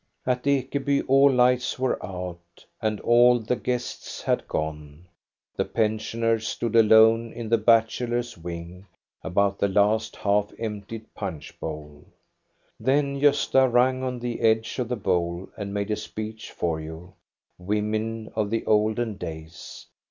At Ekeby all lights were out, and all the guests had gone. The pensioners stood alone in the bachelors' wing, about the last half emptied punch bowl. Then Gosta rung on the edge of the bowl and made a speech for you, women of the olden days.